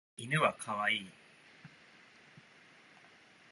犬はかわいい